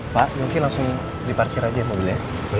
pak mungkin langsung diparkir aja mobilnya